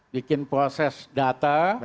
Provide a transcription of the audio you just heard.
bikin proses data